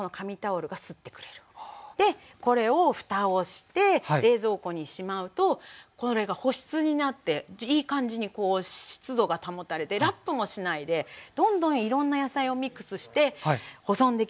でこれをふたをして冷蔵庫にしまうとこれが保湿になっていい感じに湿度が保たれてラップもしないでどんどんいろんな野菜をミックスして保存できるんです。